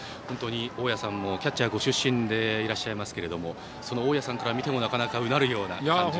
大矢さんもキャッチャーご出身でいらっしゃいますがその大矢さんから見てもうなるような。